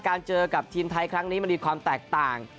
เจอกับทีมไทยครั้งนี้มันมีความแตกต่าง